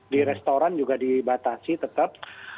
di restoran juga dibatasi tetap